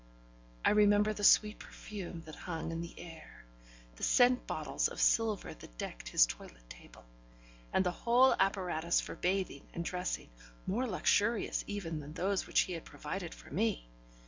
I remember the sweet perfume that hung in the air, the scent bottles of silver that decked his toilet table, and the whole apparatus for bathing and dressing, more luxurious even than those which he had provided for me.